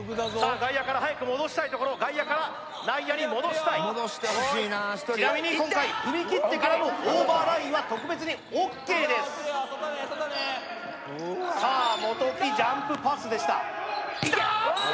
外野から早く戻したいところ外野から内野に戻したいちなみに今回踏み切ってからのオーバーラインは特別にＯＫですさあ元木ジャンプパスでしたきた！